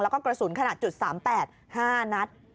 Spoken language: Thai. แล้วก็กระสุนขนาด๓๘๕นัด